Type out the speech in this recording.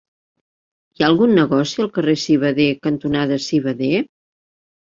Hi ha algun negoci al carrer Civader cantonada Civader?